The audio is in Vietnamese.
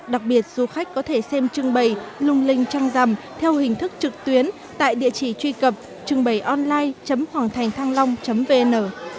đặc biệt du khách có thể xem trưng bày lung linh trăng rằm theo hình thức trực tuyến tại địa chỉ truy cập trưng bày online hoangthanhthanglong vn